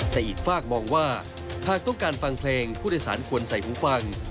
แต่อีกฝากมองว่าหากต้องการฟังเพลงผู้โดยสารควรใส่หูฟัง